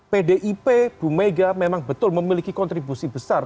pdip bumega memang betul memiliki kontribusi besar